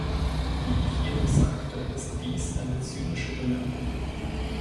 Wie ich jedoch sagte, ist dies eine zynische Bemerkung.